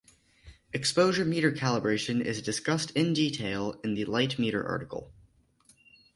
Exposure meter calibration is discussed in detail in the Light meter article.